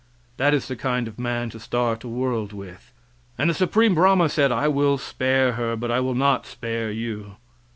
That is the kind of a man to start a world with. And the Supreme Brahma said "I will spare her, but I will not spare you."